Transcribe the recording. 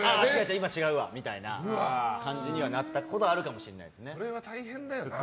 今は違うわみたいな感じになったことはあるかもしれないですね。